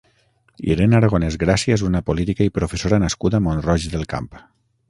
Irene Aragonès Gràcia és una política i professora nascuda a Mont-roig del Camp.